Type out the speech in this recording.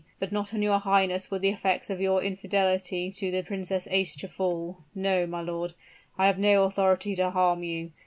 But not on your highness would the effects of your infidelity to the Princess Aischa fall. No, my lord I have no authority to harm you.